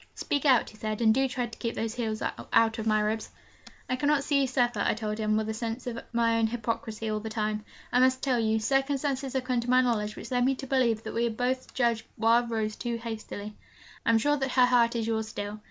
'Speak out,' he said, 'and do try to keep those heels out of my ribs.' 'I cannot see you suffer,' I told him, with a sense of my own hypocrisy all the time. 'I must tell you circumstances have come to my knowledge which lead me to believe that we have both judged Wild Rose too hastily. I am sure that her heart is yours still.